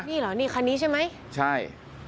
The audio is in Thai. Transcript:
นี่เหรอนี่คันนี้ใช่ไหมใช่